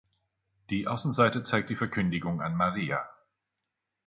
Die Außenseite zeigt die Verkündigung an Maria.